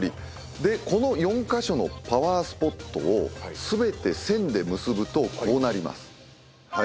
この４カ所のパワースポットを全て線で結ぶとこうなります。